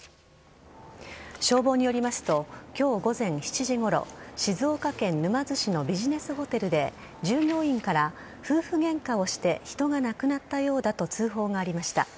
消防によりますと今日午前７時ごろ静岡県沼津市のビジネスホテルで従業員から夫婦ゲンカをして人が亡くなったようだと通報がありました。